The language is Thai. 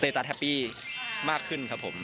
ตาแฮปปี้มากขึ้นครับผม